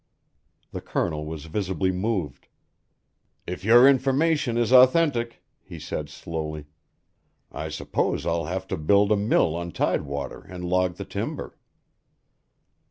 The Colonel was visibly moved. "If your information is authentic," he said slowly, "I suppose I'll have to build a mill on tidewater and log the timber."